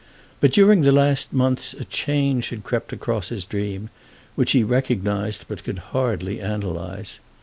But during the last few months a change had crept across his dream, which he recognized but could hardly analyse.